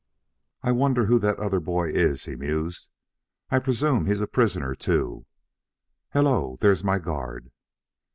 "I wonder who that other boy is," he mused. "I presume he is a prisoner, too. Hello, there's my guard."